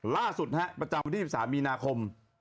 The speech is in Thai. ล่าสุดประจำวันที่๑๓มีนาคม